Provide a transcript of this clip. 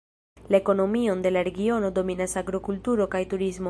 La ekonomion de la regiono dominas agrokulturo kaj turismo.